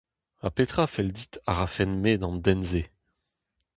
Ha petra 'fell dit a rafen-me d'an den-se ?